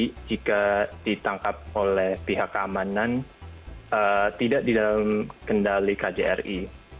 jadi jika ditangkap oleh pihak keamanan tidak di dalam kendali kjri